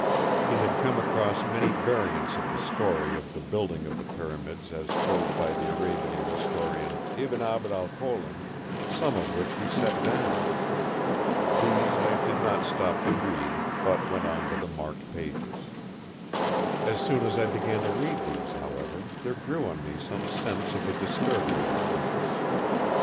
He had come across many variants of the story of the building of the Pyramids as told by the Arabian historian, Ibn Abd Alhokin, some of which he set down. These I did not stop to read, but went on to the marked pages. As soon as I began to read these, however, there grew on me some sense of a disturbing influence.